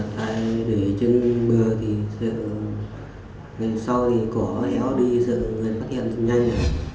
tại để chân mưa thì sau thì có héo đi giờ người phát hiện cũng nhanh